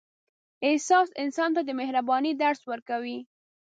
احساس انسان ته د مهربانۍ درس ورکوي.